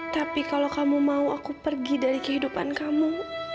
tapi kalau kamu mau aku pergi dari kehidupan kamu